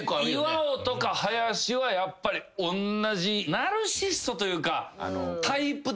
岩尾とか林はやっぱりおんなじナルシストというか。